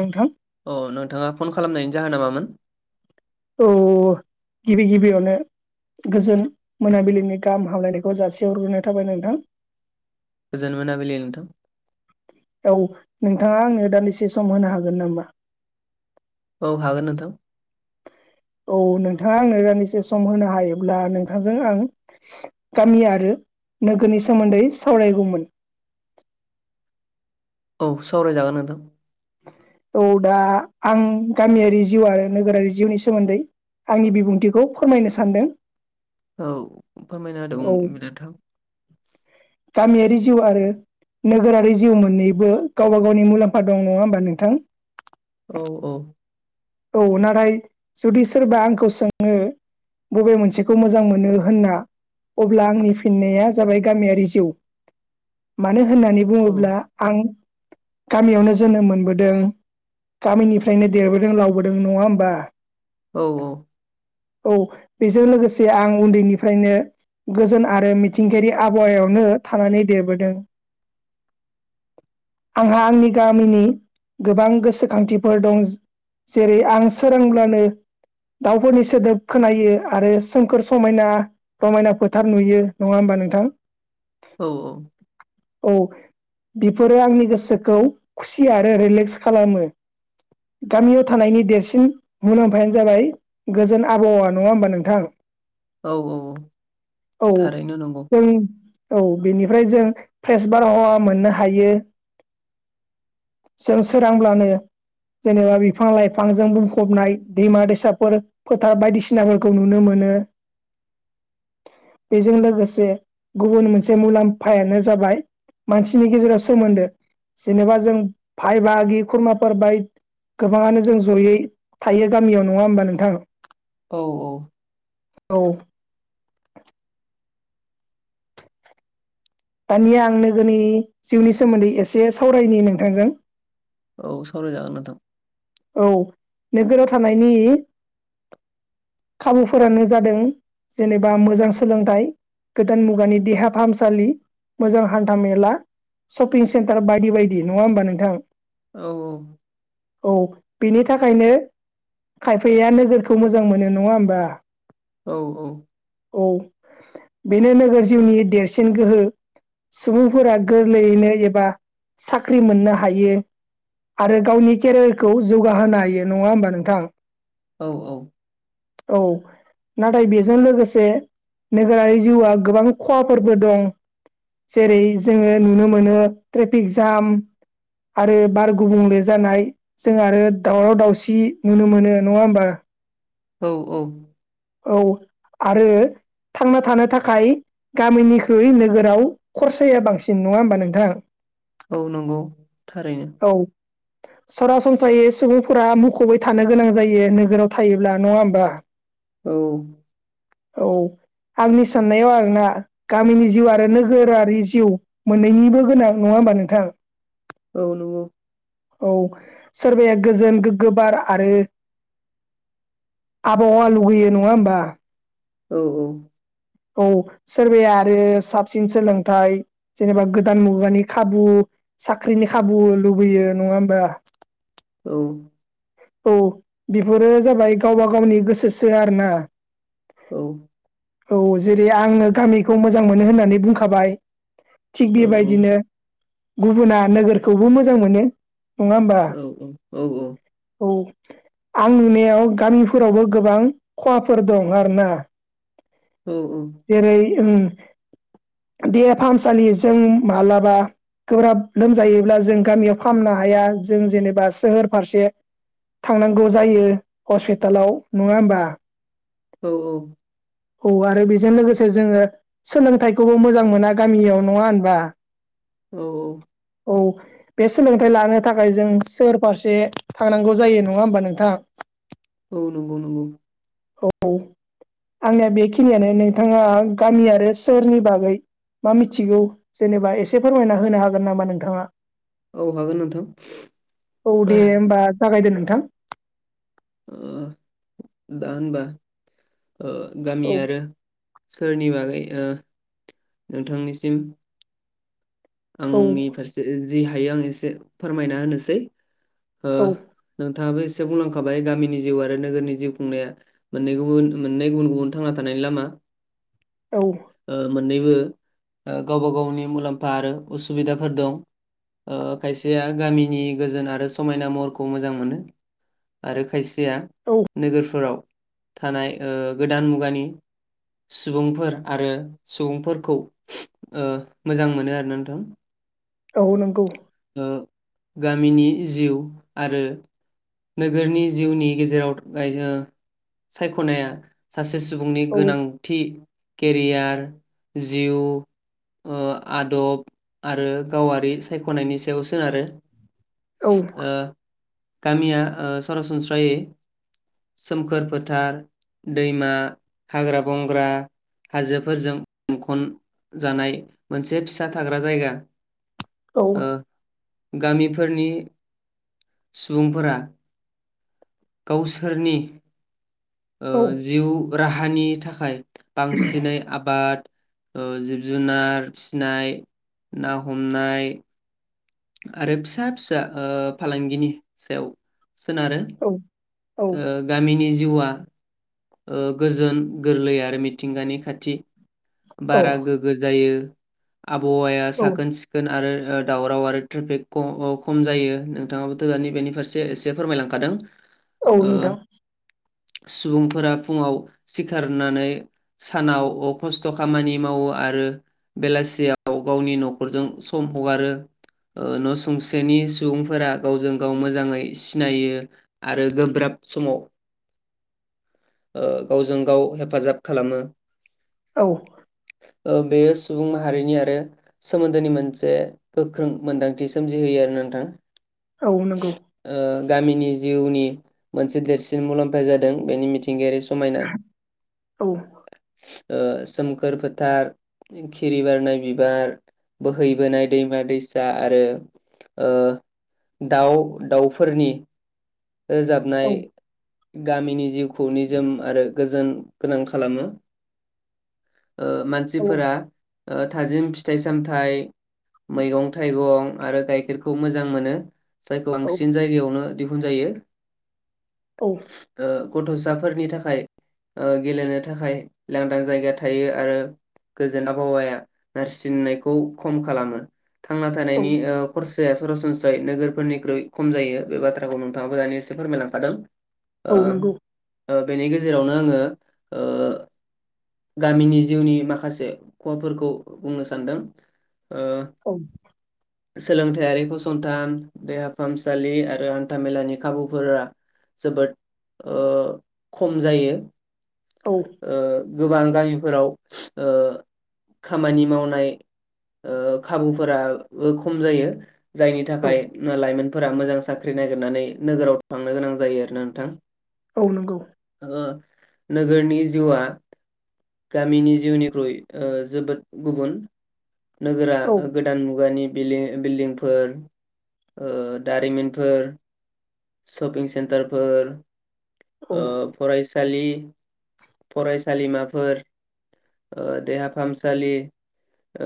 औ थां अ नोंथाङा फन खालामनायनि जाहोना मामोन? अ गिबि गिबि आवनो गोजोन मोनाबिलिनि गाहाम हामलायनायखौ जासिहरग्रोनाय थाबाय नोंथां। गोजोन मोनाबिलि नोंथां औ नोंथाङा आंनो दानदिसे सम होनो हागोन नामा? औ हागोन नोंथां औ नोंथाङा आंनो दानदिसे सम होनो हायोब्ला नोंथांजों आं गामि आरो नोगोरनि सोमोन्दै सावरायगौमोन। औ सावरायजागोन नोंथां त दा आं गामियारि जिउ आरो नोगोरारि जिउनि सोमोन्दै आंनि बिबुंथिखौ फोरमायनो सानदों औ फोरमायना होदो औ [unintelligible] नोंथां गामियारि जिउ आरो नोगोरारि जिउ मोननैबो गावबा गावनि मुलाम्फा दं नङा होमबा नोंथां औ औ औ नाथाय जुदि सोरबा आंखौ सोङो बबे मोनसेखौ मोजां मोनो होनना अब्ला आंनि फिननाया जाबाय गामियारि जिउ मानो होननानै औ बुङोब्ला आं गामियावनो जोनोम मोनबोदों गामिनिफ्रायनो देरबोदों लाव बोदों नङा होमबा औ औ औ बेजों लोगोसे आं उन्दैनिफ्रायनो गोजोन आरो मिथिंगायारि आबहावायावनो थानानै देरबोदों आंहा आंनि गामिनि गोबां गोसोखांथिफोर दं जेरै आं सोरांब्लानो दाउफोरनि सोदोब खोनायो आरो सोमखोर समायना रमायना फोथार नुयो नङा होमबा नोंथां औ औ बिफोरो आंनि गोसोखौ खुसि आरो रिलेक्स खालामो गामियाव थानायनि देरसिन मुलाम्फायानो जाबाय गोजोन आबहावा नङा होमबा नोंथां औ औ औ औ थारैनो नंगौ जों औ बेनिफ्राय जों फ्रेस बारहावा मोननो हायो जों सोरांब्लानो जेनेबा बिफां लाइफांजों बुंफबनाय दैमा दैसाफोर फोथार बायदिसिनाफोरखौ नुनो मोन नो बेजों लोगोसे गुबुन मोनसे मुलाम्फायानो जाबाय मानसिनि गेजेराव सोमोन्दो जेनेबा जों भाय बाहागि खुरमाफोर बाय गोबाङानो जों जयै थायो गामियाव नङा होमबा नोंथां औ औ औ दानिया आं नोगोरनि जिउनि सोमोन्दै एसे सावरायनि नोंथोजों औ सावरायजागोन नोंथां। औ नोगोराव थानायनि खाबुफोरानो जादों जेनेबा मोजां सोलोंथाइ। गोदान मुगानि देहा फाहामसालि, मोजां हान्था मेला सपिं सेन्टार बायदि बायदि नङा होमबा नोंथां? औ औ। औ बेनि थाखायनो खायफाया नोगोरखौ मोजां मोनो नङा होमबा? औ औ। औ बेनो नोगोर जिउनि देरसिन गोहो। सुबुंफोरा गोरलैयैनो एबा साख्रि मोननो हायो आरो गावनि केरियारखौ जौगाहोनो हायो नङा होमबा नोंथां? औ औ। औ नाथाय बेजों लोगोसे नोगोरारि जिउआ गोबां खहाफोरबो दं। जेरै जोङो नुनो मोनो ट्रेफिक जाम आरो बार गुबुंले जानाय। जों आरो दावराव दावसि नुनो मोनो नङा होमबा? औ औ। औ आरो थांना थानो थाखाय गामिनिख्रुइ नोगोराव खरसाया बांसिन नङा होमबा नोंथां? औ नंगौ थारैनो। जाय सुबुंफोरा मुखुबै थानो गोनां जायो नोगोराव थायोब्ला नङा होमबा? औ औ आंनि साननायाव आरोना गामिनि जिउ आरो नोगोरारि जिउ मोननैनिबो गोनां नङा होमबा नोंथां? औ नंगौ। औ सोरबाया गोजोन गोग्गो बार आरो आबहावा लुगैयो नङा होमबा? औ औ। औ सोरबाया आरो साबसिन सोलोंथाइ जेनेबा गोदान मुगानि खाबु साख्रिनि खाबु लुबैयो नङा होमबा? औ औ बेफोरो जाबाय गावबा गावनि गोसोसो आरो ना। औ औ जेरै आङो गामिखौ मोजां मोनो होननानै बुंखाबाय। थिग औ बेबायदिनो गुबुना नोगोरखौबो मोजां मोनो। नङा होमबा औ औ औ। औ आं नुनायाव गामिफोरावबो गोबां खहाफोर दं आरो ना। औ औ। उम देहा फाहामसालिजों माब्लाबा गोब्राब लोमजायोब्ला जों गामियाव फाहामनो हाया जों जेनेबा सोहोर फारसे थांनांगौ जायो हस्पिटालाव नङा होमबा? औ औ। औ आरो बेजों लोगोसे जोङो सोलोंथाइखौबो मोजां मोना गामियाव नङा होनबा? औ औ। औ बे सोलोंथाइ लानो थाखाय जों सोहोर फारसे थांनांगौ जायो नङा होमबा नोंथां? औ नंगौ नंगौ। औ आंनिया बेखिनियानो, नोंथाङा गामि आरो सोहोरनि बागै मा मिथिगौ, जेनेबा एसे फोरमायना होनो हागोन नामा नोंथाङा? औ हागोन नोंथां औ दे होमबा जागायदो नोंथां। ओ दा होनबा ओ गामि औ आरो सोरनि बागै ओ नोंथांनिसिम औ आंनि फारसे जि हायो आं एसे फोरमायना होनोसै, ओ, औ नोंथाङाबो एसे बुलां खाबाय गामिनि जिउ आरो नोगोरनि जिउ खुंनाया मोननै गुबुन मोननै गुबुन गुबुन थांना थानायनि लामा औ। ओ मोननैबो गावबा- गावनि मुलाम्फा आरो उसुबिदाफोर दं ओ खायसेया गामिनि गोजोन आरो समायना महरखौ मोजां मोनो आरो खायसेया औ नोगोरफोराव थानाय गोदान मुगानि सुबुंफोर आरो सुबुंफोरखौ ओ मोजां मोनो आरोना नोंथां औ नंगौ। ओ गामिनि जिउ आरो,, नोगोरनि जिउनि गेजेराव सायख'नाया सासे, सासे सुबुंनि औ गोनांथि केरियार, जिउ, ओ आदब आरो गावारि साय ख'नायनि सायाव सोनारो औ ओ गामिया ओ सरसनस्रायै सोमखोर फोथार, दैमा, हाग्रा- बंग्रा हाजोफोरजों मुंखनजानाय मोनसे फिसा थाग्रा जायगा। औ। ओ गामिफोरनि सुबुंफोरा,, गावसोरनि औ जिउ राहानि थाखाय, बांसिनै आबाद ओ जिब- जुनार फिसिनाय, ना- हमनाय आरो फिसा फिसा ओ फालांगिनि सायाव सोनारो, औ गामिनि जिउआ ओ गोजोन गोरलै आरो मिथिंगानि खाथि औ बारा गोगो जायो। आबहावाया औ साखोन- सिखोन आरो दावराव आरो ट्रेफिक खम जायो, नोंथाङाबोथ' दानि बेनि फारसे एसे फोरमायलांखादों। औ ओ नोंथां। सुबुंफोरा फुङाव सिखारनानै सानाव अ खस्थ',, खस्थ' खामानि मावो आरो बेलासियाव गावनि न'खरजों सम हगारो। ओ न' सुंसेनि सुबुंफोरा गावजों‌ गाव मोजाङै सिनायो आरो गोब्राब समाव ओ गावजों- गाव हेफाजाब खालामो। औ। ओ बेयो सुबुं माहारिनि आरो सोमोन्दोनि मोनसे गोख्रों मोन्दांथि सोमजिहोयो आरो,, नोंथां औ नंगौ ओ गामिनि जिउनि मोनसे देरसिन मुलाम्फा जादों बेनि मिथिंगायारि सु समायना औ सोम सोमखोर फोथार खिरि बारनाय बिबार बोहैबोनाय दैमा दैसा आरो ओ दाउ दाउफोरनि रोजाबनाय औ गामिनि जिउखौ निजोम आरो गोजोन गोनां खालामो ओ औ मानसिफोरा ओ थाजिम फिथाइ सामथाइ मैगं थाइगं आरो गाइखेरखौ मोजां मोनो। जायखौ औ बांसिन जायगायावनो दिहुनजायो। गथ'साफोरनि थाखाय ओ गेलेनो थाखाय लांदां जायगा थायो आरो गोजोन आबहावाया नारसिननायखौ खम खालामो। थांना औ थानायनि ओ खरसाया सरासनस्रायै नोगोरफोरनिख्रुइ खम जायो बे बाथ्राखौ नु माबबो दा एसे फोरमाय लांखादों। औ नंगौ। ओ बेनि गेजेरावनो आङो ओ गामिनि जिउनि माखासे खहाफोरखौ बुंनो सानदों। ओ औ सोलोंथायारि फसंथान देहा फाहामसालि आरो हान्थाामेलानि खाबुफोरा जोबोद ओ खम जायो। औ ओ गोबां गामिफोराव स ओ खामानि मावनाय ओ खाबुफोराबो खम जायो। जायनि औ थाखाय लाइमोनफोरा मोजां साख्रि नागिरनानै नोगोराव थांनो गोनां जायो आरो ना नोंथां। औ नंगौ। नगोरनि जिउआ गामिनि जिउनिख्रुइ ओ जोबोद गुबुन नोगोरा औ गोदान मुगानि बिलि बिल्दिंफोर ओ दारिमिनफोर शपिं सेन्टारफोर औ ओ फरायसालि फरायसालिमाफोर ओ देहा फाहामसालि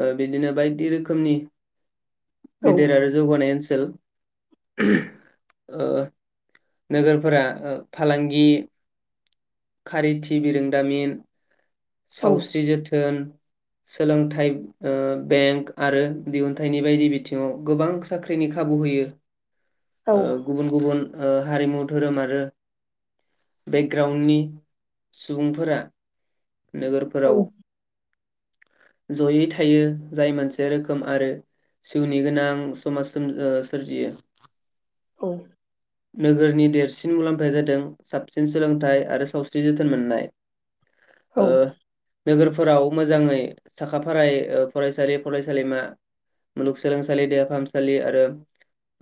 ओ बिदिनो बायदि रोखोमनि गेदेर आरो जौगानाय ओनसोल [unintelligible] ओ नोगोरफोरा ओ फालांगि खारिथि थि बिरोंदामिन सावस्रि जोथोन सोलोंथाइ ओ बेंक आरो दिहुनथाइनि बायदि बिथिङाव गोबां साख्रिनि नि खाबु होयो ओ गुबुन गुबुन ओ हारिमु धोरोम आरो बेकग्राउणडनि सुबुंफोरा औ नोगोरफोराव औ [inaudible] जयै थायो जाय मोनसे रोखोम आरो जिउनि गोनां समाज सोम सोरजियो औ नोगोरनि देरसिन मुलाम्फाया जादों साबसिन सोलोंथाय आरो सावस्रि जोथोन मोननाय औ। ओ नोगोरफोराव मोजाङै साखा फारायै फरायसालि फरायसालिमा मुलुगसोलोंसालि देहा फाहामसालि आरो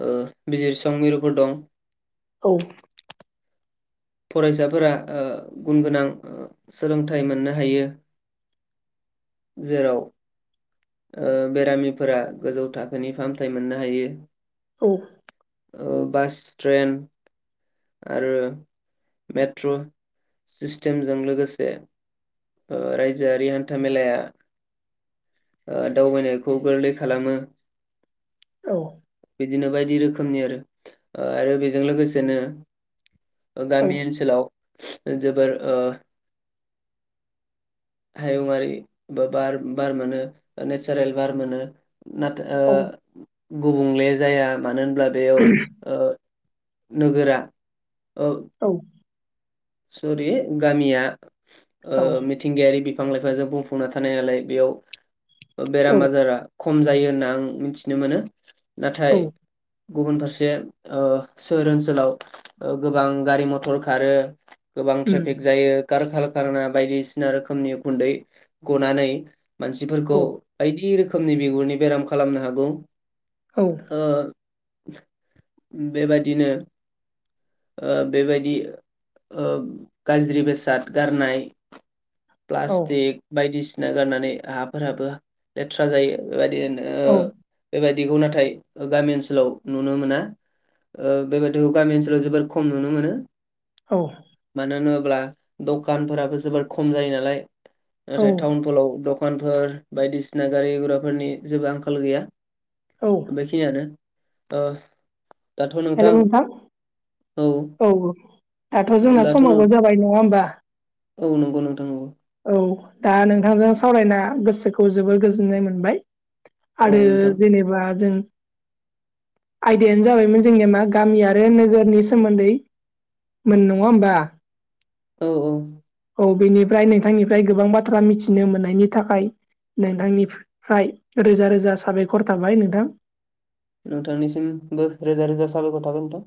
ओ बिजिरसं मिरुफोर दं। औ। फरायसाफोरा ओ गुन गोनां ओ सोलोंथाइ मोननो हायो। जेराव। बेरामिफोरा गोजौ थाखोनि फाहामथाय मोननो हायो। औ। बास ट्रेन आरो। मेट्र' सिस्टेमजों लोगोसे। रायजोआरि हान्था मेलाया। दावबायनायखौ गोरलै खालामो। औ। बिदिनो बायदि रोखोमनि आरो आरो बेजों लोगोसेनो। गामि ओनसोलाव जोबोर ओ। हायुंआरि बार बार मोनो नेचारेल बार मोनो । नाथाय गुबुंले जाया मानो होनब्ला बेयाव। नोगोरा। ओ औ। सरि गामिया मिथिंगायारि बे। बिफां लाइफांजों बुंफना थानाय नालाय बेयाव बेराम आजारा। खम जायो होनना आं मिथिनो मोनो नाथाय। गुबुन फारसे सोहोर ओनसोलाव गोबां गारि मथर खारो गोबां ट्रेफिक जायो काखाल खारना बायदिसिना रोखोमनि गुन्दै गनानै। मानसिफोरखौ बायदि रोखोमनि बिगुरनि बेराम खालामनो हागौ। बेबादिनो बेबायदि गाज्रि बेसाद गारनाय प्लास्टिक बायदिसिना। ना गारनानै हाफोराबो लेथ्रा जायो बेबायदिनो बेबाय बेखौ नाथाय गामि ओनसोलाव नुनो मोना। बेबायदिखौ गामि ओनसोलाव जोबोर खम नुनो मोनो मानो होनोब्ला दखानफोराबो जोबोर खम जायो नालाय नाथाय टाउन फलाव दखानफोर बायदिसिना गारिघराफोरनि जेबो आंखाल गैया बेखिनियानो ओ। हेल' नोंथां औ औ। दाथ' जोंना दाथ' नों समावाबबो जाबाय नङा होमबा। औ नंगौ नोंथां नंगौ। औ दा नोंथांजों सावरायना गोसोखौ जोबोर गोजोननाय मोनबाय। आरो औ नोंथां जेनेबा जों। आयदायानो जाबायमोन जोंनिया मा गामि आरो नोगोरनि सोमोन्दै। मोन नङा होमबा। औ औ। औ बेनिफ्राय नोंथांनिफ्राय गोबां बाथ्रा मिथिनो मोननायनि थाखाय। नोंथांनिफ्राय रोजा रोजा साबायखर थाबाय नोंथां। नोंथांनिसिमबो रोजा रोजा साबायखर थाबाय नोंथां।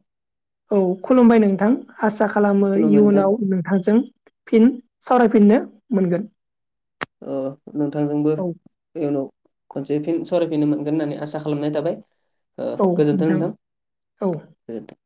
औ खुलुमबाय नोंथां आसा खालामो खुलुमबाय नोंथां इयुनाव नोंथांजों। फिन सावरायफिननो मोनगोन। अ नोंथांजोंबो औ इयुनाव खनसे फिन सावरायफिननो मोनगोन होननानै आसा खालामनाय थाबाय गोजोनथों नोंथां औ गोजोनथों।